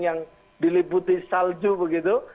yang diliputi salju begitu